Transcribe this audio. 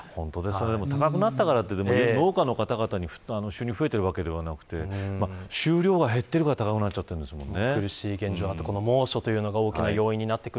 高くなったからといって農家の方の収入が増えているわけではなくて収量が減っているから高くなっちゃっていますもんね。